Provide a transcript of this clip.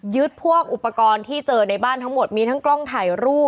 พวกอุปกรณ์ที่เจอในบ้านทั้งหมดมีทั้งกล้องถ่ายรูป